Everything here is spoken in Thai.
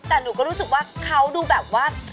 แต่หนูก็รู้สึกว่าเขาดูแบบว่า